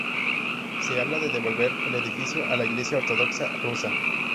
Se habla de devolver el edificio a la iglesia ortodoxa rusa.